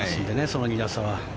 その２打差は。